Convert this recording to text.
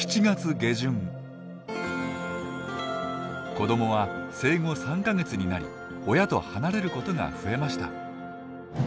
子どもは生後３か月になり親と離れることが増えました。